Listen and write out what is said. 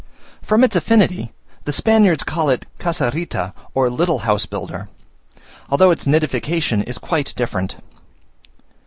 From its affinity, the Spaniards call it Casarita (or little housebuilder), although its nidification is quite different.